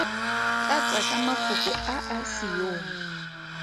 Tlatsa ka mafoko a a se yong.